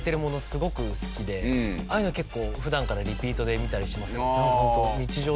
ああいうの結構普段からリピートで見たりしますね。